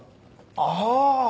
ああ！